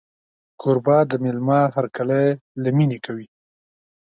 کوربه د مېلمه هرکلی له مینې کوي.